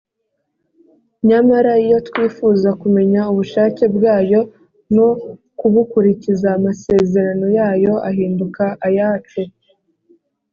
nyamara iyo twifuza kumenya ubushake bwayo no kubukurikiza, amasezerano yayo ahinduka ayacu: